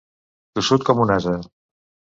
Tossut com un ase.